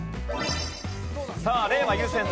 さあ令和優先席。